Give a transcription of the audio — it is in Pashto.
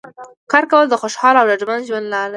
کار کول د خوشحاله او ډاډمن ژوند لامل دی